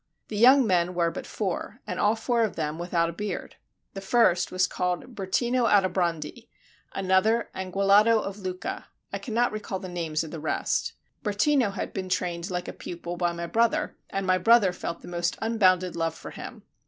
The young men were but four, and all four of them without a beard. The first was called Bertino Aldobrandi, another Anguillotto of Lucca; I cannot recall the names of the rest. Bertino had been trained like a pupil by my brother, and my brother felt the most unbounded love for him.